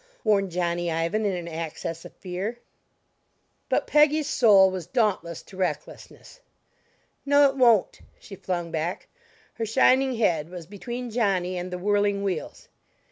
warned Johnny Ivan in an access of fear. But Peggy's soul was dauntless to recklessness. "No, it won't," she flung back. Her shining head was between Johnny and the whirling wheels.